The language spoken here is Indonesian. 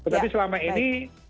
tapi selama ini